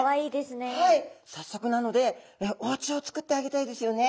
早速なのでおうちを作ってあげたいですよね。